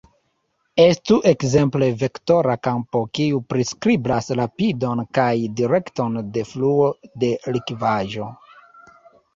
Estu ekzemple vektora kampo kiu priskribas rapidon kaj direkton de fluo de likvaĵo.